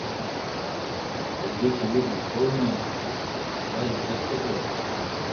Теҥгече йӱдым тол маньым, сайын отат кутыро.